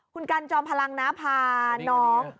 คุณกันจอมพลังนะพาน้อง